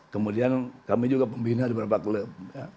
kemudian kami juga pembina beberapa klub